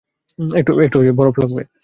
একটু বরফ লাগবে?